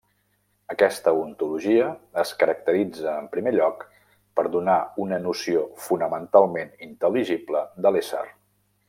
Aquesta ontologia es caracteritza en primer lloc per donar una noció fonamentalment intel·ligible de l'ésser.